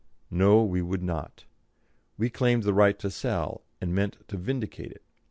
No, we would not; we claimed the right to sell, and meant to vindicate it.